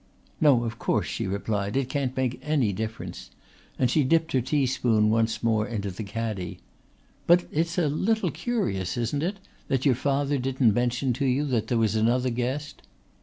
"No, of course," she replied, "it can't make any difference," and she dipped her teaspoon once more into the caddy. "But it's a little curious, isn't it? that your father didn't mention to you that there was another guest?"